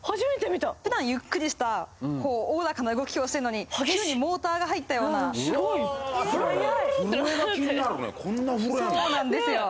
ふだんゆっくりしたおおらかな動きをしてるのに急にモーターが入ったような震えが気になるねそうなんですよ